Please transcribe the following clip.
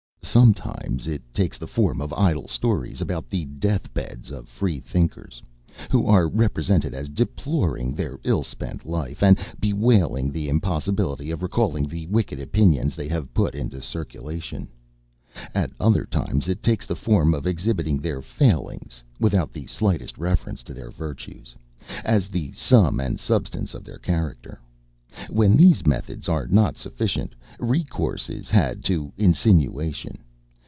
Sometimes it takes the form of idle stories about the death beds of Freethinkers, who are represented as deploring their ill spent life, and bewailing the impossibility of recalling the wicked opinions they have put into circulation. At other times it takes the form of exhibiting their failings, without the slightest reference to their virtues, as the sum and substance of their character. When these methods are not sufficient, recourse is had to insinuation.